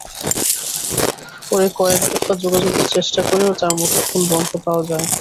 পরে কয়েক দফা যোগাযোগের চেষ্টা করে তাঁর মুঠোফোন বন্ধ পাওয়া যায়।